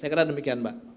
saya kira demikian mbak